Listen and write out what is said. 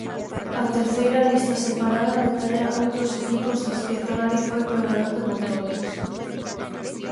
A terceira lista separada detalla outros equipos dos que Ferrari foi provedor de motores.